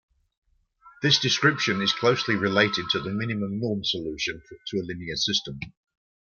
This description is closely related to the Minimum norm solution to a linear system.